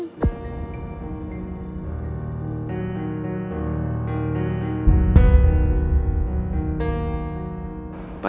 semoga keadaanmu akan sempurna